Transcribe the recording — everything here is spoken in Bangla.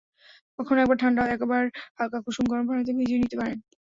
কখনো একবার ঠান্ডা একবার হালকা কুসুম গরম পানিতে ভিজিয়ে নিতে পারেন।